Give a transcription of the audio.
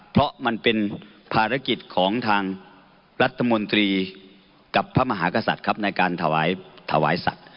เพราะมันเป็นภารกิจของทางรัฐมนตรีกับพระมหากษัตริย์ครับในการถวายสัตว์